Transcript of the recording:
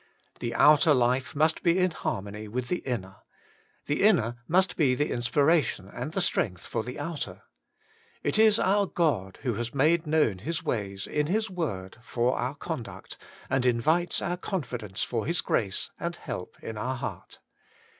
The outer life must be in harmony with the inner ; the inner must be the inspiration and the strength for the outer. It is our God who has made known His ways in His Word for our conduct, and invites our confidence for His grace and help in our heart.